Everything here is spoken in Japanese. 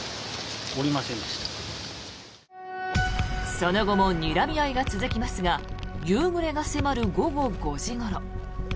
その後もにらみ合いが続きますが夕暮れが迫る午後５時ごろ。